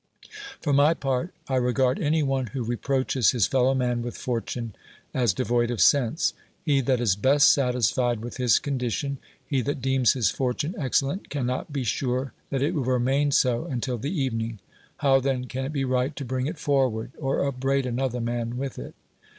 For my part, I regard any one, who reproaches his fellow man with fortune, as devoid of sense. He that is best satisfied with his condition, he that deems his fortune excellent, can not be sure that it will remain so until the evening : how then can it be right to bring it forward, or upbraid another man with it?